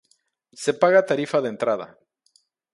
Se paga tarifa de entrada.